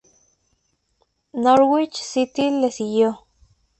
Norwich City le siguió.